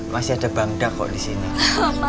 masih ada bangda kok disana ya mbak